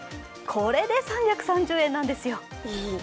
これで３３０円なんですよ。